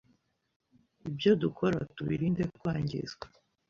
ibyo dukora tubirinde kwangizwa,